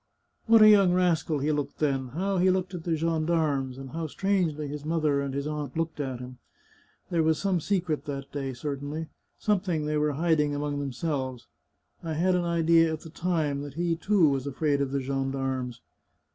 What a young rascal he looked then ! How he looked at the gendarmes, and how strangely his mother and his aunt looked at him! There was some secret that day, certainly — something they were hiding among themselves. I had an idea at the time that he, too, was afraid of the gendarmes."